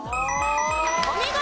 お見事！